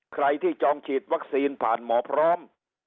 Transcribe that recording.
ใครที่จองฉีดวัคซีนผ่านหมอพร้อม